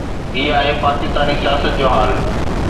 هي آهي پاڪستاني سياست جو حال.